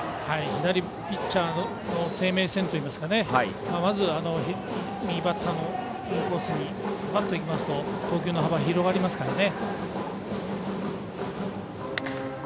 左ピッチャーの生命線といいますかまず、右バッターのインコースズバッといきますと投球の幅、広がりますからね。